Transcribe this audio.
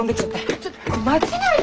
ちょっと待ちなよ！